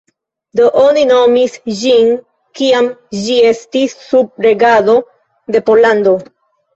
Do oni nomis ĝin, kiam ĝi estis sub regado de Pollando.